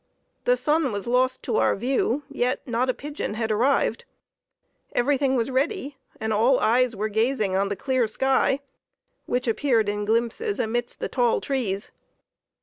The sun was lost to our view, yet not a pigeon had arrived. Everything was ready, and all eyes were gazing on the clear sky, which appeared in glimpses amidst the tall trees.